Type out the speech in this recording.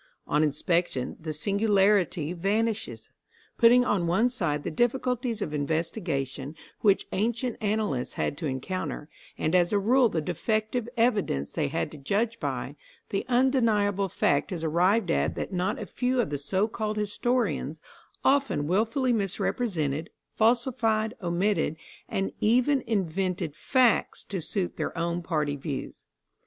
On inspection the singularity vanishes. Putting on one side the difficulties of investigation which ancient annalists had to encounter, and as a rule the defective evidence they had to judge by, the undeniable fact is arrived at that not a few of the so called historians often wilfully misrepresented, falsified, omitted, and even invented facts to suit their own party views.